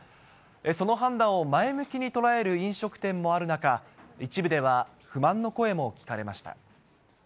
その判断を前向きに捉える飲食店もある中、一部では不満の声も聞かれました。